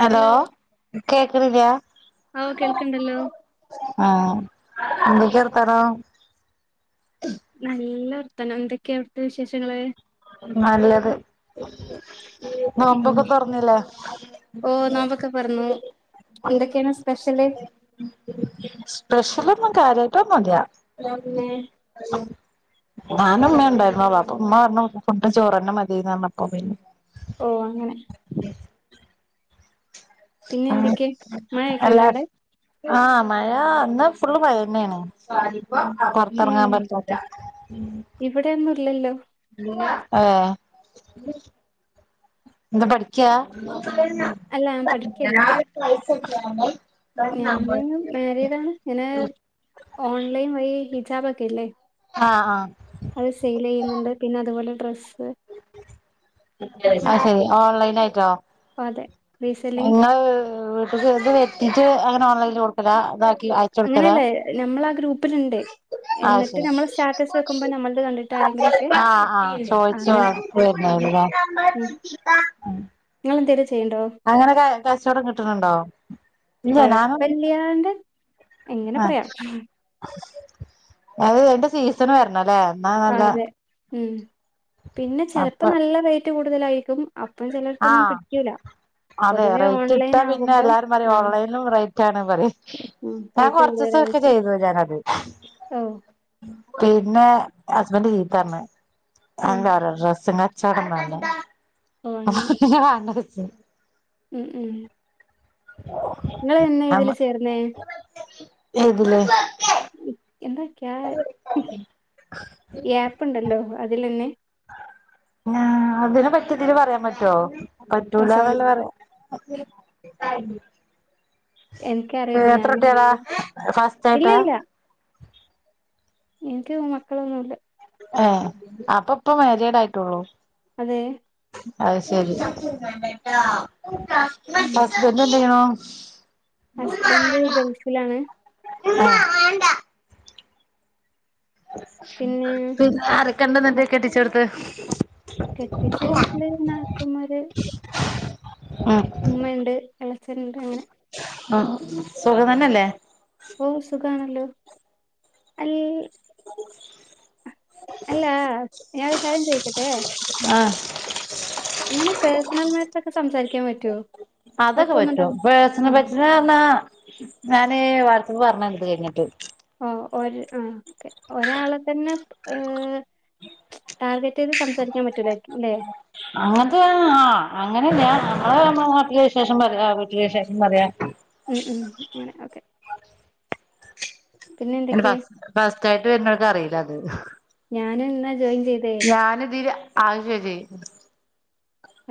Hello കേക്കുന്നില്ല ഓ കേൾക്കണ്ടല്ലോ ആഹ എന്തക്കെ വർത്താനം നല്ല വർത്തനം എന്തൊക്കെയാ അവിടുത്തെ വിശേഷങ്ങള് നല്ലത് ഉം നോമ്പൊക്കെ തുറന്നില്ലേ ഓ നോമ്പൊക്കെ തുറന്നു എന്തൊക്കെയാണ് സ്പെഷ്യല് സ്പെഷ് ലൊന്നും കാര്യാട്ടൊന്നും ഇല്ല ഏ ഞാനും ഉമ്മ ഉണ്ടായിരുന്ന അപ്പ ഉമ്മ പറഞ്ഞു ഫുഡ് ചോറ്ന്നെ മതിന്ന് പറഞ്ഞപ്പ പിന്നെ ഓ അങ്ങനെ പിന്നെ എന്തൊക്കെയ മഴയൊക്കെ ഉണ്ട അവിടെ ആഹ മഴ അന്ന് ഫുള്ള് മഴ തന്നെയാണ് ഏ പുറത്തിറങ്ങാൻ പറ്റാത്തെ ല്ലല്ലോ ആഹ എന്താ പഠിക്ക അല്ല ഞാൻ പഠിക്കല്ല ഞാന് മാരിഡ് ആണ് ഞാന് ഓൺലൈൻ വഴി ഹിജാബ് ഒക്കെല്ലേ ആഹ് ആഹ് അത് സെയില് ചെയ്യുന്നുണ്ട് പിന്നെ അതുപോലെ ഡ്ര ആ ശരി ഓൺലൈൻ ആയിട്ടോ ഓ അതെ റീസെല്ലിങ് നിങ്ങള് വീട്ടത് വെത്തിട്ട് അങ്ങനെ ഓൺലൈനിൽ കൊടുക്കലത അങ്ങനെയല്ലേ നമ്മളാ ഗ്രൂപ്പിലുണ്ട് ആ എന്നിട്ട് ശരി നമ്മൾ സ്റ്റാറ്റസ് വെക്കുമ്പോ നമ്മളത് കണ്ടിട്ട് ആരെങ്കിലുമൊക്കെ ആഹ ആഹ ചോ ശോ അങ്ങനെ അത് അതെ തന്നല്ലേ ഉം നിങ്ങളെന്തേലും ചെയ്യ്ണ്ടോ? അങ്ങനെ കച്ചവടം കിട്ടണുണ്ടോ കൊഴപ്പില്ല്യാണ്ട് എങ്ങനെ ആ പറയാം അത് അയിന്റെ സീസൺ വരണല്ലേ എന്നാ നല്ല ഉ പിന്നെ ചിലപ്പോ അപ്പൊ നല്ല റേറ്റ് കൂടുതലായിരിക്കും അപ്പൊ ആ ചിലർക്കൊന്നും പിടിക്കൂല അതെ പൊതുവെ റേറ്റ് ഓൺലൈൻ ഇട്ടാ പിന്നെ ആകുമ്പം എല്ലാരും പറ ആഹ് ഓൺലൈനിലും റേറ്റ് ആണ് പറ ഉം ഞാൻ റേറ്റ് കുറച്ച ദിവസംക്കെ കൂടുതലായിരിക്കും. ചെയ്തു ഞാനത് [unintelligible] പിന്നെ ഹസ്ബൻഡ് ചീത്ത പറഞ്ഞു ഏഹ് അ ഡ്രസ്സങ്ങ ചടന്നല്ല ഓഹ് അ അങ്ങനെ ഹ ഹആ [unintelligible] ങ്ങളെന്നതില് ചേർന്നേ? ഏതില്? എന്തൊ ക്യാ യാപ്പ്ണ്ടല്ലോ അതിലന്നെ. ആ അതിനെപ്പറ്റിയിതില് പറയാൻ പറ്റോ? ഓഹ് സോറി പറ്റൂലന്നല്ലേ എനിക്കറിയില്ല എത്രട്ടിളാ ഞാനെങ്ങനാ ഫസ്റ്റായിട്ട? ഇല്ലില്ല എനിക്ക് മക്കളൊന്നുല്ല. ഏ അപ്പ ഇപ്പ മാരിയേഡ് ആയിട്ടുള്ളൂ? അതെ. അത് ശരി ഉം ഹസ്ബന്റെന്ത് ചെയ്യണൂ? ഹസ്ബൻഡ് ഗൾഫിലാണ്. ആ പിന്നെ പിന്നെ ആരക്കണ്ട് നിന്റെ കെട്ടിച്ചോടത്ത്? കെട്ടിച്ച വീട്ടില് നാത്തുമ്മാര്. ഉം ഉമ്മ ഒണ്ട് എളെച്ചന്ണ്ട് അങ്ങനെ. ആ സുഖം തന്നല്ലേ? ഓ സുഖാണല്ലോ അൽ ഞാനൊരു കാര്യം ചോയിക്കട്ടെ? ആ ഇങ്ങനെ പേഴ്സണൽ മാറ്റേഴ്സോക്കെ സംസാരിക്കാൻ പറ്റുവോ? അതൊക്കെ പറ്റും പേഴ്സണൽ [unintelligible] ഞാന് വാട്സപ്പി പർണയിത് കഴിഞ്ഞിട്ട്. ഒ ഒര് ആ ക്കെ ഒരാളെത്തന്നെ ടാർഗറ്റ് റ്റെയ്ത് സംസാരിക്കാൻ പറ്റൂലേ ല്ലേ? അങ്ങനത്തെ ആ അങ്ങനെല്ല അമ്മള് അമ്മ നാട്ടിലെ വിശേഷം പറയാ വീട്ട് വിശേഷം പറയാ ഉം ഉം ങ്ങനെ ഓക്കെ. പിന്നെ ന് എന്തൊക്കെ ഫസ് ഫസ്ട്റ്റയിട്ട് വരുന്നോർക്ക് അറിയില്ല അത്. ഞാനുന്നാ ഞാന് ഇതില് അയ് ശെരി.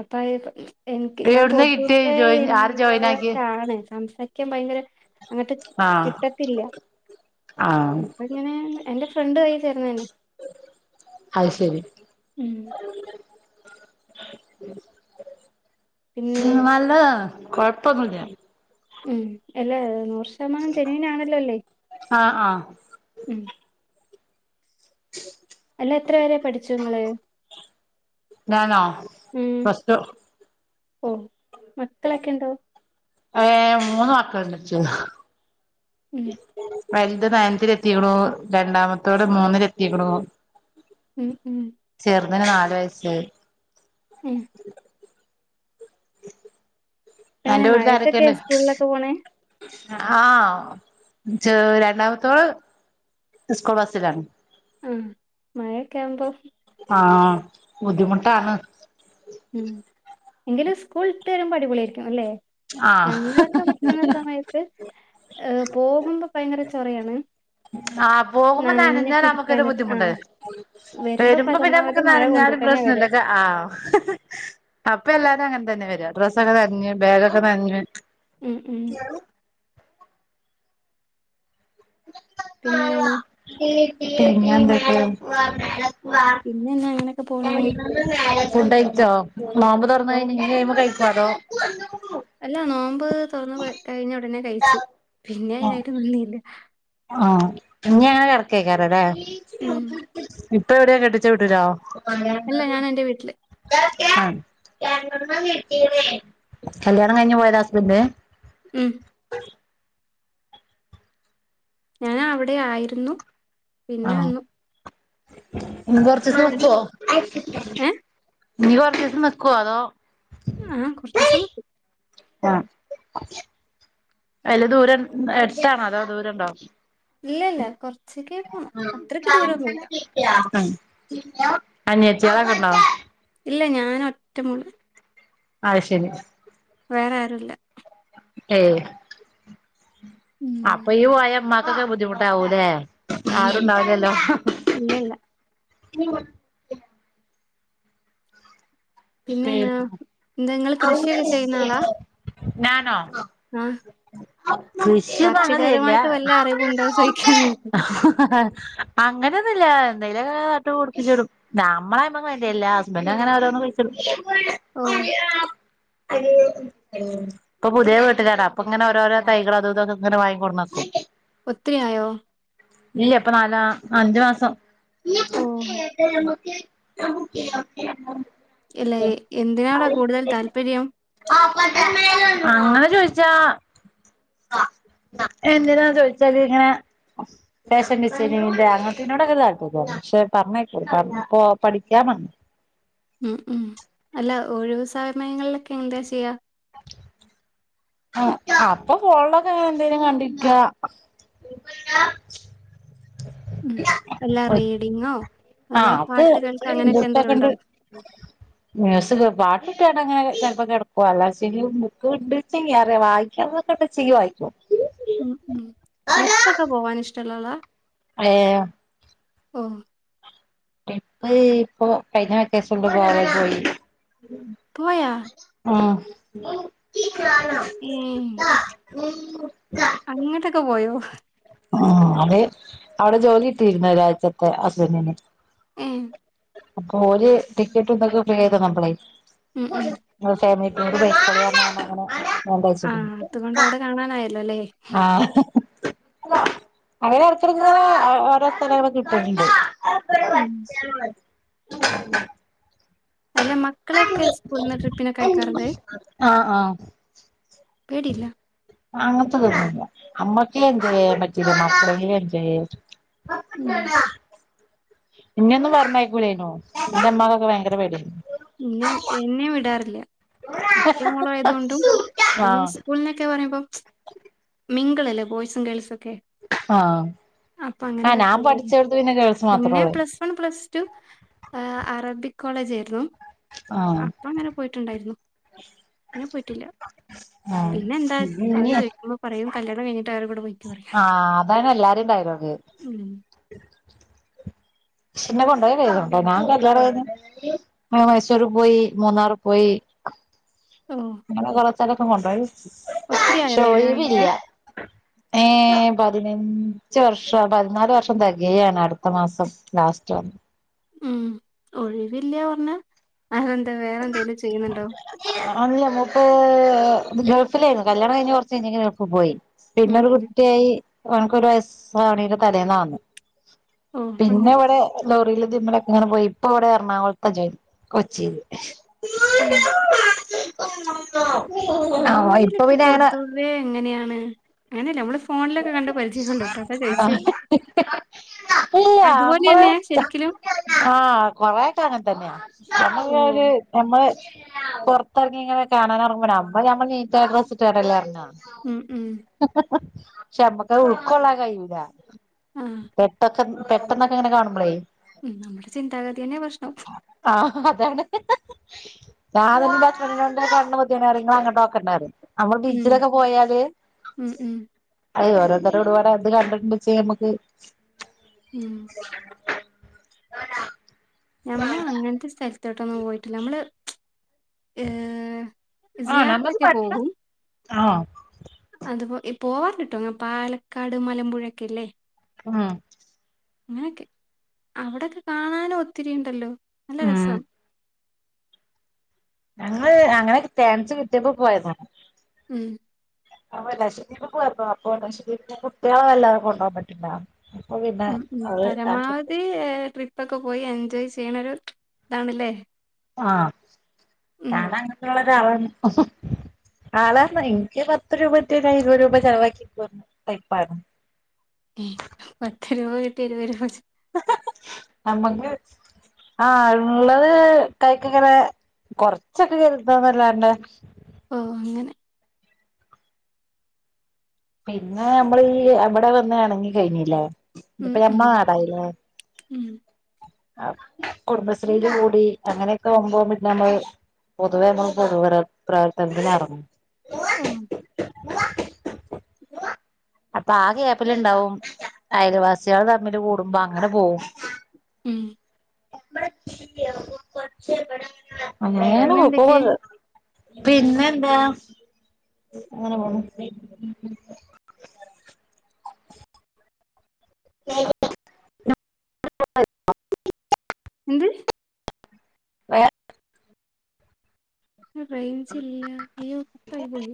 അപ്പായിപ്പം എനിക്ക് ഞാൻ എവിടുന്ന് കിട്ടിയ പൊതുവെ ജോയിൻ ആര് ജോയിൻ ആക്കി ഇൻട്രോവേട്ടാണ് സംസാരിക്കാൻ ഭയങ്കര അങ്ങട്ട് ആ കിട്ടത്തില്ല ആ അപ്പങ്ങനെ എന്റെ ഫ്രണ്ട് വഴി ചേർന്നന്നെ. അത് ശരി. ഉം പിന്നെ [inaudible] നല്ലതാ കൊഴപ്പൊന്നില്ല. ഉം അല്ലേ നൂറ് ശതമാനം ജെനുവിനാണല്ലോ അല്ലേ ആ ആ ഉം അല്ല എത്ര വരെ പഠിച്ചുങ്ങള്? ഞാനോ പ്ലസ്ടു ഓ മക്കളക്കെണ്ടോ? ഏ മൂന്ന് മക്കളൊണ്ടെച്ച്. ഉം വെല്ത് ണയന്തിലെത്തിണൂ രണ്ടാമത്തോള് മൂന്നിലെത്തിക്കണൂ. [unintelligible] ഇവന് നാല് വയസ്സ്. ഉം ഇപ്പ അന്റെ എങ്ങനെ മഴത്തൊക്കെ വീട്ടിലാരെക്കെണ്ട്? സ്കൂളിലൊക്കെ പോണേ ആ ചെ രണ്ടാമത്തോള് സ്കൂൾ ബസ്സിലാണ്. ആഹ മഴയൊക്കെ ആവുമ്പോ ആ് ബുദ്ധിമുട്ടാണ് ഉം എങ്കിലും സ്കൂൾ വിട്ടവരുമ്പോ അടിപൊളിയായിരിക്കും അല്ലേ ആഹ് ഞങ്ങളൊക്കെ പഠിക്കുന്ന സമയത്ത് ഏ പോകുമ്പോ ഭയങ്കര ചൊറയാണ് ഉ ആഹ് പോകുമ്പോ നനഞ്ഞാൽ നനഞ്ഞിട്ട് നമുക്കൊരു ഇരിക്കാനൊക്കെ ബുദ്ധിമുട്ടാ ആഹ് വരുമ്പോ പിന്നെ നമുക്ക് പരമാവധി മഴ നനഞ്ഞാലും കൊണ്ടിട്ടന്നെ പ്രശ്നല്ല വരാ ഇള്ളത് ആ അപ്പൊ എല്ലാരും അങ്ങനെ തന്നെ വര ഡ്രസ്സൊക്കെ നഞ്ഞ് ബാഗൊക്കെ നഞ്ഞ് ഉം ഉം പിന്നെ പിന്നെന്തൊക്കെ പിന്നെന്നാ അങ്ങനൊക്കെ പോണു ഫുഡ് കഴിച്ചോ നോമ്പ് തുറന്ന് ഓ കഴിഞ്ഞാൽ ഇനിയൊന്നും കഴിക്കില്ലേ ചടോ അല്ല നോമ്പ് തുറന്ന് കഴിഞ്ഞഞ് ഉടനെ കഴിച്ചു പിന്നെ അതിനായിട്ട് നന്നിയില്ല ആഹ ഇഞങ്ങനെ കിടക്കേക്കാരലേ ഉം ഇപ്പൊ എവിടെയാ കെട്ടിച്ച വീട്ടിലോ ആ അല്ല ഞാൻ എന്റെ വീട്ടില് കല്യാണം കഴിഞ്ഞ പോയത ഹസ്ബൻഡ് ഉം [inaudible] ഞാൻ അവിടെ ആയിരുന്നു പിന്നെ വന്നു ഇഞ്ഞ് കുറച്ചുസം പോയിട്ട് ഏ നിക്കോ അതോ ആഹാ കൊറച്ചുസം നിക്കും ആ വല്ല്യദൂരണ്ടോ എടുത്താണോ അതോ ദൂരം ഇണ്ടോ ഇല്ല ഇല്ല കൊറച്ചക്കെ പോണംഅത്രക്ക് ദൂരൊന്നുമില്ല ഉം അനിയത്തികളൊക്കെ ഇണ്ടോ ഇല്ല ഞൻ ഒറ്റ മോളാ ആഹ അശൈരി വേറെ ആരുല്ല ഏഹ് ഉം അപ്പോ ഇയ്യ് പോയാല് ഇമ്മാ കൊക്കേ ബുദ്ധിമുട്ടാവൂലെ ആരുണ്ടാവുല്ലല്ലോ ഇല്ല ഇല്ല പിന്നെന്നാ ഹ്മ് എന്താ നിങ്ങള് കൃഷിയൊക്കെ ഞാനോ ആഹ് കൃഷിയൊന്നും അങ്ങനെയില്ല കാർഷികപരമായിട്ട് വല്ല അറിവുണ്ടോന്ന ചോദിക്ക ഞാൻ അങ്ങനെയൊന്നുല്ല എന്തേലും ഒക്കെ നട്ട് പിടിപ്പിച്ചിടും നമ്മള് ഐമക്ക് മൈൻഡ് ചെയ്യല്ല്യ ഹസ്ബൻഡ് അങ്ങനെ ഓരോന്ന് കുഴിച്ചിടും ഓഹ് ഇപ്പൊ പുതിയ വീട്ടിലാടാ അപ്പോ ഇങ്ങനെ ഓരോരോ തൈകൾ അതും ഇതൊക്കെ ഇങ്ങനെ വാങ്ങി കൊടുന്നക്കും ഒത്തിരി ആയോ ഇല്ല്യ ഇപ്പൊ നാലാ ആ അഞ്ചു മാസം ഓ [unintelligible] ഇല്ല എന്തിനാടാ കൂടുതൽ താല്പര്യം അങ്ങനെ ചോദിച്ചാ എന്തിനാ ചോയ്ച്ചാല്ങ്ങനെ ഫാഷൻ ഡിസൈനിങ്ങിന്റെ അങ്ങൻത്തേനൊടൊക്കെ താൽപര്യാണ് പക്ഷെ പറഞ്ഞേക്കൂല [unintelligible] പ്പോ പഠിക്കാ [unintelligible] ഉം ഉം അല്ല ഒഴിവു സമയങ്ങളിലൊക്കെ എന്താ ചെയ്യാ ആ അപ്പൊ ഫോണിലൊക്കെങ്ങനെ എന്തേലും കണ്ടിരിക്ക ഉ ഉം എല്ലാ റീഡിങ്ങോ ആ അല്ല അത് പാട്ട് കേൾക്കുക അങ്ങനെയൊക്കെ എന്തെങ്കിലും മുട്ട്ക്കണ്ട് ഉണ്ടോ മ്യൂസ് കേക്കും പാട്ടിട്ട്ട്ടാങ്ങനെ ചെൽപ്പ കെടക്കും അല്ലാച്ചെങ്കി ബുക്ക്ണ്ട്ചെങ്കിൽ അറിയാം വായിക്കാണന്നൊക്കെണ്ടെച്ചെങ്കി വായിക്കു ഉം ഉം ട്രിപ്പക്കെ പോവാന് ഇഷ്ടള്ളോളാ ഏം ഓ ട്രിപ്പ് ഇപ്പൊ കയ്ഞ്ഞ വെക്കേഷൻല് ഗോവേ പോയി പോയാ ഉം ഉം ഉ അങ്ങട്ടെക്കെ പോയോ ഉം അത് അവിടെ ജോലി കിട്ടിര്ന്ന് ഒരാഴ്ചത്തെ ഹസ്ബൻന്റിന് ഏ അപ്പൊ ഓര് ടിക്കറ്റുംതൊക്കെ ഫ്രീയായി തന്നപ്പളെ ഉം ഉം [unintelligible] ഫാമി [unintelligible] അങ്ങനെ ആ അതുകൊണ്ട് അവിടെ കാണാനായല്ലോ [unintelligible] അല്ലേ ആ ഹ ഹ അങ്ങനെ അടുത്തിട്മ്പോ അ ഓരോ സ്ഥലങ്ങളും കിട്ട്ണ് ണ്ട് ഉം അല്ല മക്കളെക്കെ സ്കൂൾന്ന് ട്രിപ്പിനൊക്കെയക്കാറ്ണ്ട് ആ ആ പേടില്ല അങ്ങൻത്തെ പേടിയൊന്നുല്ല അമ്മക്കേ എൻജോയെയ്യാൻ പറ്റീല മക്കളേങ്കിലും എൻജോയെയ്യ ഉം ഇന്നെന്നും പറഞ്ഞയ്ക്കൂലേനു ന്റെ മ്മാക്കൊക്കെ ഭയങ്കര പേടിയേനി ഇന്നെ എന്നെം വിടാറില്ല ഒറ്റമോളായത് കൊണ്ടും പിന്നെ ആഹ് സ്കൂളിന്നൊക്കെ പറയുമ്പം മിങ്കിളല്ലേ ബാേയ്സും ഗേൾസാെ ആ അപ്പൊ അങ്ങനെ പറ്റൂലായ്ര്ന്നു മാത്രേ പിന്നെ ഉള്ളൂ പ്ലസ് വൺ പ്ലസ് ടു അറബി കോളേജേയ്ര്ന്നു ആഹ് അപ്പ അങ്ങനെ പോയിട്ട്ണ്ടായ്ര്ന്നു പിന്നെ പോയിട്ടില്ല ആഹ് പിന്നെ എന്താ അവര് ചോയ്ക്കുമ്പോ പറയും കല്യാണം കഴിഞ്ഞിട്ട് അവരെ കൂടെ പോയ്ക്കോറയാ ആഹ് അതാണ് എല്ലാരേം ഡയലോഗ് ന്നെ കൊണ്ടാേയാെക്കെയ്ത്ണ് ട്ടോ ഞാൻ കല്യാണം കയ്ഞ്ഞ് എ മൈസൂര് പോയി മൂന്നാറ് പോയി ഓ അങ്ങനെ കൊറേ സ്ഥലൊക്കെ കൊണ്ടാേയി ഒത്തിരി ആയോ ഷേ കല്യാണം കഴിഞ്ഞിട്ട് ഒയിവില്ല ഏ പതിനഞ്ച് വർഷം പതിനാല് വർഷം തെകയാണ് അട്ത്ത മാസം ലാസ്റ്റ ഉം ഒഴിവില്ലാ പർഞ്ഞ അതെന്താ വേറെന്തെേലും ചെയ്യ്ന്ന്ണ്ടോ അല്ല ഞമ്മപ്പ ഗൾഫിലായ്ര്ന്നു കല്യാണം കഴിഞ്ഞ് കൊർച്ച് കഴിഞ്ഞെക്കെ ഗൾഫ് പോയി ഉം പിന്നൊരു ഉം. കുട്ട്യായി ഒൻക്കൊരു വയസ്സാവ്ണേന്റെ തലേന്നാന്ന വന്നേ ഓ പിന്നെ അങ്ങനെ വ്ടെ ലോറീല് തിമ്മലൊക്കെങ്ങനെ പോയി ഇപ്പവ്ടെ എറണാകൊൾത്ത ജോലി കൊച്ചീല് ഉം [unintelligible] ആഹ് ഇപ്പൊ ഗോവയിലൊക്കെ പിന്നെ അങ്ങനെ പൊതുവേ എങ്ങനെയാണ് അങ്ങനെയല്ല നമ്മള ഫോണിലൊക്കെ കണ്ട പരിചയംണ്ടൂ കേട്ടോ കേട്ടോ ചയിച്ചല്ലേ ഇല്ല നമ്മള് ആഹ കൊറ സ്ാനം തന്നെയാ നമ്മള് ഓ ഒരു നമ്മള് പുറത്തി ഇറങ്ങി ഇങ്ങനെ കാണാൻറങ്ങ്പട അ്പ ഞമ്മ നീറ്റട്ട ഡ്രസ്ട്ട് കേടല്ലഞ്ഞാ ഉം ഉം ചമ്മക്ക ഉൾക്കൊള്ളാ കഴൂത ആഹ് പെട്ട പെട്ടന്നൊക്കെ ഇങ്ങനെ കാണുമ്പളേ ഉം നമ്മുടെ ചിന്താഗതി തന്നെ പ്രശ്നം ആഹ് അതാണ് [unintelligible] കണ്ണ് പൊതീനാ പറയും നിങ്ങൾ അങ്ങോട്ട് നോക്കണ്ട പറയും അമ്മൾ ഉം ബീച്ചിലൊക്കെ പോയാല് ഉം ഉം അയ് ഓരോര്ത്തര് [unintelligible] കണ്ടിണ്ട്ച്ച നമക്ക് ഉം നമ്മ അങ്ങനത്തെ സ്ഥലത്തോട്ടൊന്നും പോയിട്ടില്ല നമ്മള് ഏഹ് ആഹ് നമ്മക്ക് സിയാർത്തൊക്കെ പറ്റണ പോകും ആഹ് അതുപോലെ പോവാൻ കിട്ടോ അങ്ങ് പാലക്കാട് മലമ്പുഴൊക്കെ അല്ലേ ആഹ് അങ്ങനെയൊക്കെ അവിടൊക്കെ കാണാനും ഒത്തിരി ഉണ്ടല്ലോ നല്ല ഉം രസാ ഞങ്ങള് അങ്ങനൊക്കെ ചാൻസ് കിട്ടിയപ്പോ പോയതാണ് ഉം അപ്പൊ ലക്ഷദ്വീപ് പോയിരുന്നു അപ്പൊ ലക്ഷദ്വീപിന്റെ കുട്ടികലളെ വല്ലാതെ കൊണ്ട് പോകൻ പറ്റില്ല അപ്പൊ പിന്നെ ഉം ഉം അത് പരമാവധി ട്രിപ്പ് ഒക്കെ പോയി എൻജോയ് ചെയ്യണ ഒരു ഇതാണല്ലേ ആഹ് ഉം ഞാന് അങ്ങനെയുള്ളൊരാളാണ് ആളാന്ന എനിക്ക് പത്ത് രൂപ കിട്ടിയാ ഞാൻ ഇരുപതു രൂപ ചെലവാക്കിക്കുന്ന ടൈപ്പാണ് ഏഹ് പത്ത് രൂപ കിട്ടി ഇരുപത് രൂപ ചെ നമ്മക്ക് ആഹ് ഇള്ളത് കൈക്ക ഇങ്ങനെ കൊറച്ചൊക്കെ കരുതാന്നല്ലാണ്ട് ഓ അങ്ങനെ പിന്നെ നമ്മളീ അവിടെ വന്നിണങ്ങി കഴിഞ്ഞില്ലേ ഉം ഇതിപ്പോ ഉം ഞമ്മട നാടായില്ലേ ഉം കുടുംബശ്രീയില് കൂടി അങ്ങനെയൊക്കെ ആവുമ്പോ പിന്നെ നമ്മള് പൊതുവെ നമ്മൾ പൊതു പ്രവർ പ്രവർത്തനത്തിന് എറങ്ങും ഓഹ് [unintelligible] അപ്പൊ ആ ഗ്യാപ്പിൽ ഉണ്ടാവും അയൽവാസികൾ തമ്മില് കൂടുമ്പോ അങ്ങനെ പോവും ഉം അങ്ങനേന്ന പിന്നെ എന്തൊക്കെ [unintelligible] പിന്നെ എന്താ അങ്ങനെ പോണു [unintelligible] [unintelligible] എന്ത് [unintelligible] റേഞ്ച് ഇല്ല അയ്യോ കുപ്പായി പോയി